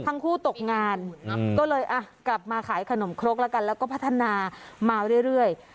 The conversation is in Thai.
ทั้งคู่ตกงานก็เลยอ่ะกลับมาขายขนมครกแล้วกันแล้วก็พัฒนามาเรื่อย